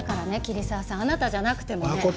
桐沢さんあなたじゃなくてもね。